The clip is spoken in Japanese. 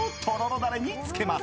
ダレにつけます。